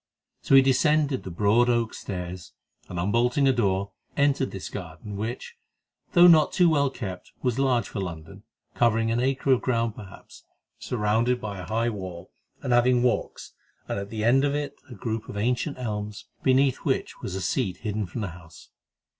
So he descended the broad oak stairs, and, unbolting a door, entered this garden, which, though not too well kept, was large for London, covering an acre of ground perhaps, surrounded by a high wall, and having walks, and at the end of it a group of ancient elms, beneath which was a seat hidden from the house.